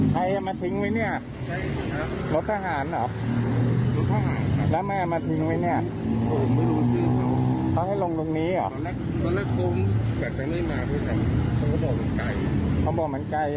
ขึ้นเข้ามาจากเนี่ย